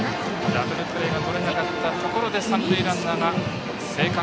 ダブルプレーがとれなかったところで三塁ランナーが生還。